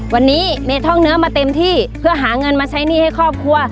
วันนี้เมท่องเนื้อมาเต็มที่เพื่อหาเงินมาใช้หนี้ให้ครอบครัว